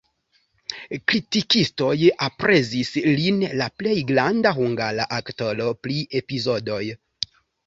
Kritikistoj aprezis lin la plej granda hungara aktoro pri epizodoj.